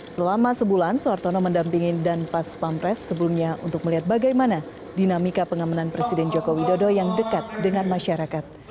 selama sebulan suartono mendampingi dan pas pampres sebelumnya untuk melihat bagaimana dinamika pengamanan presiden joko widodo yang dekat dengan masyarakat